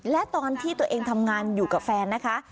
และตอนที่ตัวเองทำงานอยู่กับแฟนนะคะ